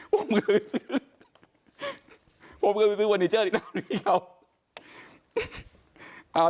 ผมก็คือซื้อเฟอร์นิเจอร์ดีตอนนี้ครับ